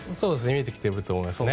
見えてきてると思いますね。